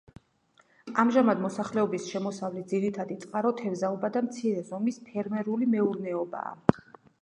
ამჟამად მოსახლეობის შემოსავლის ძირითადი წყარო თევზაობა და მცირე ზომის ფერმერული მეურნეობაა.